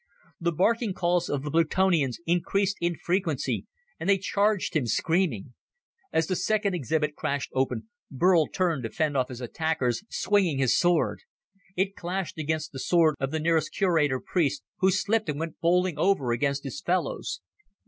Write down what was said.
The barking calls of the Plutonians increased in frenzy, and they charged him, screaming. As the second exhibit crashed open, Burl turned to fend off his attackers, swinging his sword. It clashed against the sword of the nearest curator priest, who slipped and went bowling over against his fellows.